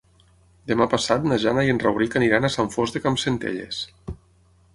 Demà passat na Jana i en Rauric aniran a Sant Fost de Campsentelles.